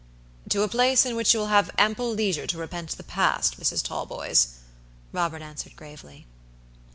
"To a place in which you will have ample leisure to repent the past, Mrs. Talboys," Robert answered, gravely.